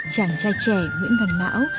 chàng trai trẻ nguyễn văn mão